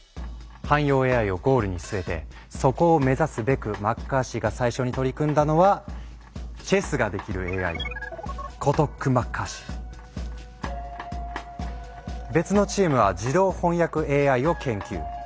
汎用ＡＩをゴールに据えてそこを目指すべくマッカーシーが最初に取り組んだのはチェスができるＡＩ別のチームは自動翻訳ＡＩを研究。